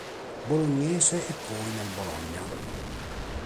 Bolognese e poi nel Bologna.